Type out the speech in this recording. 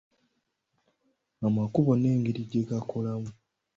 Amakubo n'engeri gye gakolamu.